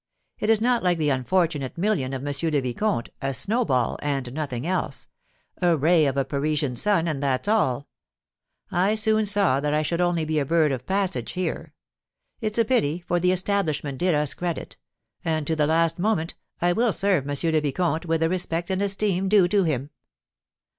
It is not like the unfortunate million of M. le Vicomte, a snowball, and nothing else, a ray of a Parisian sun, and that's all. I soon saw that I should only be a bird of passage here. It's a pity, for the establishment did us credit; and, to the last moment, I will serve M. le Vicomte with the respect and esteem due to him."